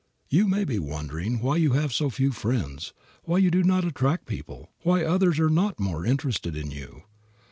You may be wondering why you have so few friends, why you do not attract people, why others are not more interested in you.